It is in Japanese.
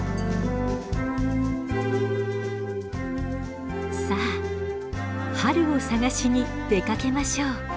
さあ春を探しに出かけましょう！